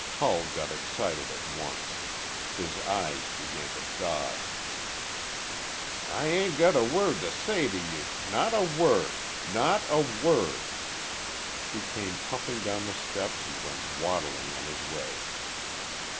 Hull got excited at once. His eyes began to dodge. "I ain't got a word to say to you not a word not a word!" He came puffing down the steps and went waddling on his way.